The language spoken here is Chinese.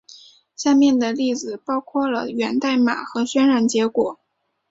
下面的例子包括了源代码和渲染结果。